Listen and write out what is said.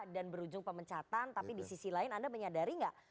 dan berujung pemecatan tapi di sisi lain anda menyadari enggak